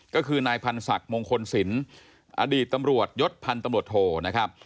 ก็คือนายพรรษักมศิลป์อดีตตำรวจยพรรษโธนะครับ